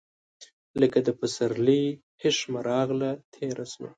لکه د پسرلي هیښمه راغله، تیره سوه